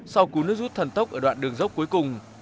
sau cú nước rút thần tốc ở đoạn đường dốc cuối cùng